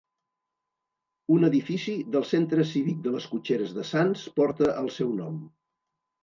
Un edifici del Centre Cívic de les Cotxeres de Sants porta el seu nom.